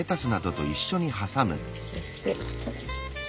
のせて。